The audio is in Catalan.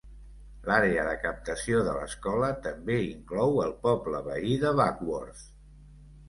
L'àrea de captació de l'escola també inclou el poble veí de Bagworth.